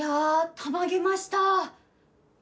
たまげました。